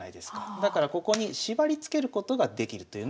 だからここに縛りつけることができるというのが２点目。